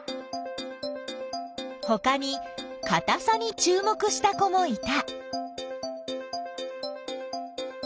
ほかにかたさにちゅう目した子もいた。